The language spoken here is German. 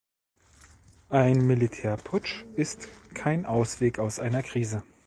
Ein Militärputsch ist kein Ausweg aus einer Krise.